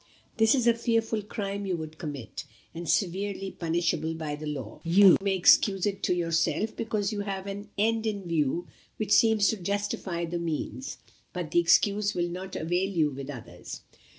This is a fearful crime you would commit, and severely punishable by the law. You may excuse it to yourself, because you have an end in view which seems to justify the means; but the excuse will not avail you with others.